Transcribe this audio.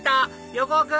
横尾君！